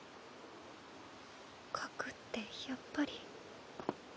核ってやっぱり。